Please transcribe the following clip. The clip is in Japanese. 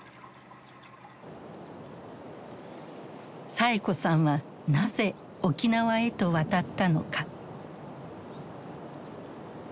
サエ子さんはなぜ沖縄へと渡ったのか。